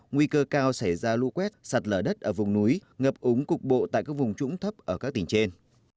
nguy cơ cao xảy ra lũ quét sạt lở đất ở vùng núi ngập ống cục bộ tại các vùng trũng thấp ở các tỉnh trên